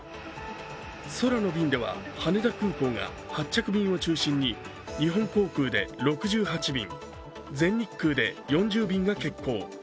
空の便では羽田空港が発着便を中心に日本航空で６８便、全日空で４０便が欠航。